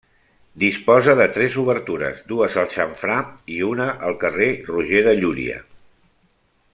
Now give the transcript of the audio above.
Disposa de tres obertures: dues al xamfrà i una al carrer Roger de Llúria.